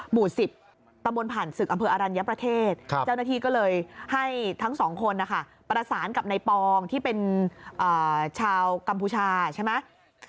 หมู่๑๐ตำบลผ่านศึกอำเภออรัญญประเทศเจ้าหน้าที่ก็เลยให้ทั้งสองคนนะคะประสานกับในปองที่เป็นชาวกัมพูชาใช่ไหม